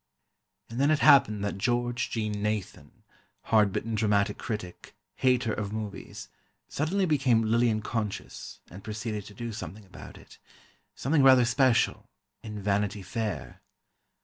And then it happened that George Jean Nathan, hard bitten dramatic critic, hater of movies, suddenly became Lillian conscious and proceeded to do something about it—something rather special—in Vanity Fair.